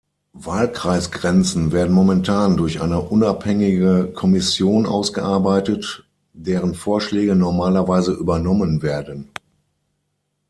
Wahlkreisgrenzen werden momentan durch eine unabhängige Kommission ausgearbeitet, deren Vorschläge normalerweise übernommen werden.